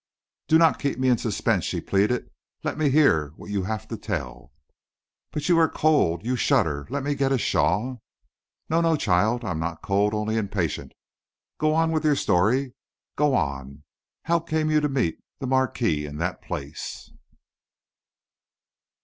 "Do not keep me in suspense," she pleaded; "let me hear what you have to tell." "But you are cold; you shudder. Let me get a shawl." "No, no, child, I am not cold, only impatient. Go on with your story go on. How came you to meet the marquis in that place?"